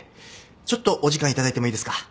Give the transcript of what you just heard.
ちょっとお時間頂いてもいいですか？